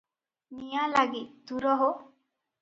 ନିଆଁଲାଗି, ଦୂର ହୋ!